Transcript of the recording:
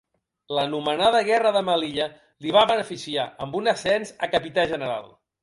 L'anomenada guerra de Melilla li va beneficiar amb un ascens a capità general.